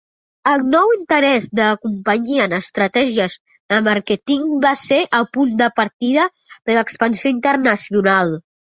El nou interès de la companyia en estratègies de màrqueting va ser el punt de partida de l'expansió internacional.